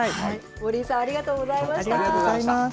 森井さん、ありがとうございました。